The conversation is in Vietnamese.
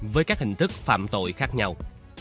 với các hình thức phạm tội khác nhau